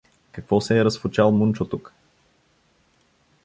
— Какво се е разфучал Мунчо тук?